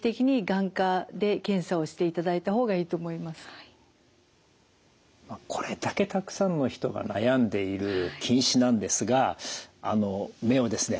そしてこれだけたくさんの人が悩んでいる近視なんですがあの目をですね